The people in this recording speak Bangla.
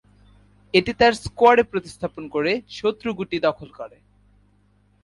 এটি তার স্কোয়ারে প্রতিস্থাপন করে শত্রু গুটি দখল করে।